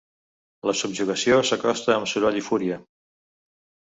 La subjugació s’acosta amb soroll i fúria.